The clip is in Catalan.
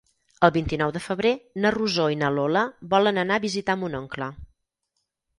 El vint-i-nou de febrer na Rosó i na Lola volen anar a visitar mon oncle.